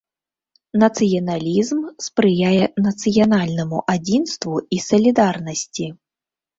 Нацыяналізм спрыяе нацыянальнаму адзінству і салідарнасці.